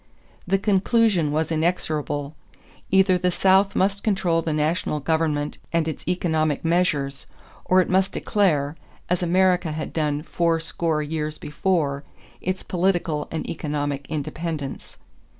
'" The conclusion was inexorable: either the South must control the national government and its economic measures, or it must declare, as America had done four score years before, its political and economic independence.